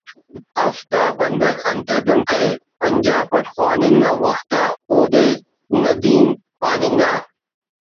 if the بندغ انتئے دن کرے پنجاب اٹ خواننگ نا وخت آ اودے ندیم پاننگا‘